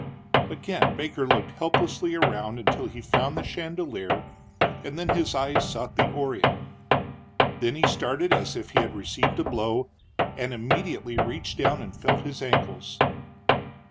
Again Baker looked helplessly around until he found the chandelier, and then his eyes sought the oriel. Then he started as if he had received a blow, and immediately reached down and felt his ankles.